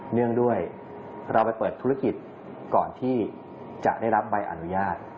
เนื่องด้วยเราไปเปิดธุรกิจก่อนที่จะได้รับใบอนุญาต